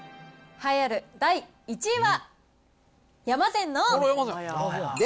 栄えある第１位は。